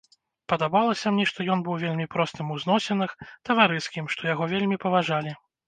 Падабалася мне, што ён быў вельмі простым у зносінах, таварыскім, што яго вельмі паважалі.